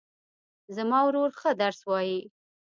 زما ورور ښه درس وایي